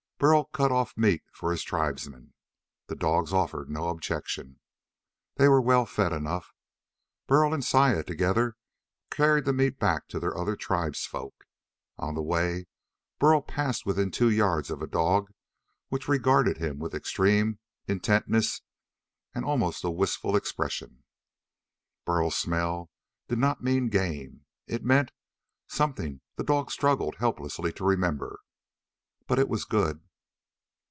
Burl cut off meat for his tribesmen. The dogs offered no objection. They were well fed enough. Burl and Saya, together, carried the meat back to the other tribesfolk. On the way Burl passed within two yards of a dog which regarded him with extreme intentness and almost a wistful expression. Burl's smell did not mean game. It meant something the dog struggled helplessly to remember. But it was good.